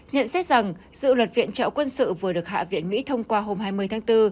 nhận xét rằng dự luật viện trợ quân sự vừa được hạ viện mỹ thông qua hôm hai mươi tháng bốn